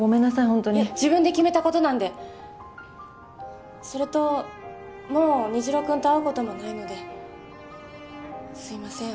ほんとに自分で決めたことなんでそれともう虹朗君と会うこともないのですいません